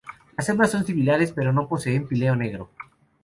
Las hembras son similares, pero no poseen píleo negro.